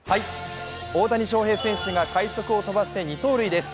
大谷翔平選手が快足を飛ばして２盗塁です。